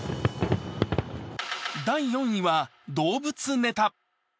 第４位は動物ネタ。